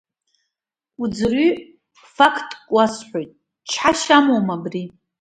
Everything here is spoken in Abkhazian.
Уӡырҩи, фактк уасҳәоит, чҳашьа амоума абри?